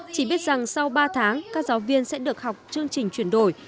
chỉ biết rằng sau ba tháng các giáo viên sẽ được học chương trình chuyển đổi